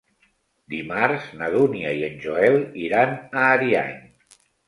Dimarts na Dúnia i en Joel iran a Ariany.